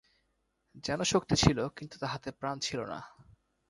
যেন শক্তি ছিল, কিন্তু তাহাতে প্রাণ ছিল না।